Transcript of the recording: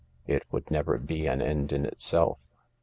It would neverfe an end in itself.